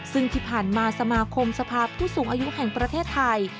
ซึ่งที่ผ่านมาสมาคมสภาพผู้สูงอายุแห่งประเทศไทย